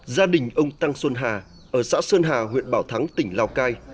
gia đình ông tăng xuân hà ở xã sơn hà huyện bảo thắng tỉnh lào cai